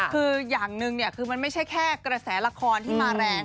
คืออย่างหนึ่งคือมันไม่ใช่แค่กระแสละครที่มาแรง